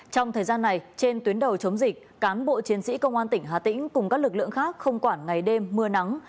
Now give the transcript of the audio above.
trong thời gian này trên tuyến đầu chống dịch cán bộ chiến sĩ công an tỉnh hà tĩnh cùng các lực lượng khác không quản ngày đêm mưa nắng